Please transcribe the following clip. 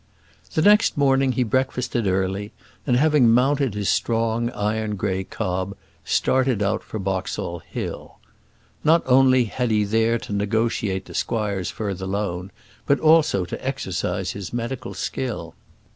The next morning he breakfasted early, and, having mounted his strong iron grey cob, started for Boxall Hill. Not only had he there to negotiate the squire's further loan, but also to exercise his medical skill.